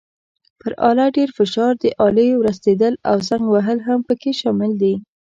پر آله ډېر فشار، د آلې ورستېدل او زنګ وهل هم پکې شامل دي.